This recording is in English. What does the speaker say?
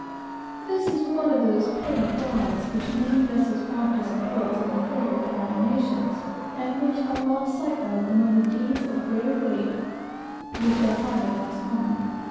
This is one of those petty frauds which every vessel practises in ports of inferior foreign nations, and which are lost sight of, among the countless deeds of greater weight which are hardly less common.